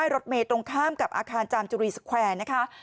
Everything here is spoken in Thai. รถเมย์ตรงข้ามกับอาคารจามจุรีสแควร์นะคะ